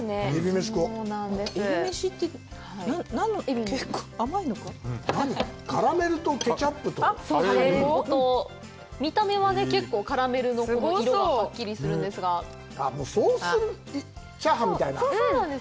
めし食おうえびめしって何のえびカラメルとケチャップとカレー粉と見た目は結構カラメルの色がはっきりするんですがもうソースチャーハンみたいなそうなんです